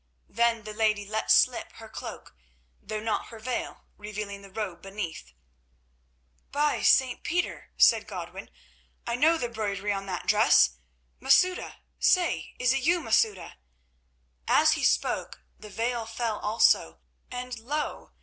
Then the lady let slip her cloak, though not her veil revealing the robe beneath. "By St. Peter!" said Godwin. "I know the broidery on that dress. Masouda! Say, is it you, Masouda?" As he spoke the veil fell also, and lo!